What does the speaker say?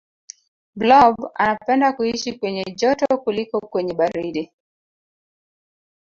blob anapenda kuishi kwenye joto kuliko kwenye baridi